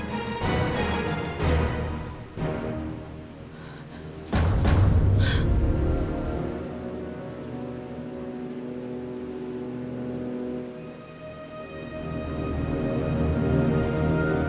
terus berakhir siapa yang sudah menciumkannya